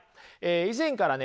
以前からね